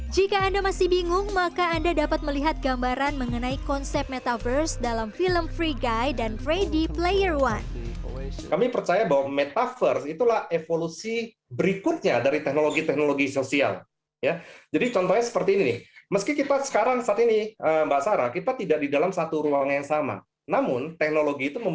jika anda masih bingung maka anda dapat melihat gambaran mengenai konsep metaverse dalam film free guy dan freddy player one